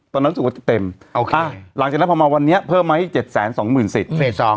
ตอนนั้นสูงวันจะเต็มหลังจากนั้นมาวันนี้เพิ่มมาให้๗๒๐๐๐๐สิบเฟส๒